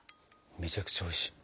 めちゃくちゃおいしい。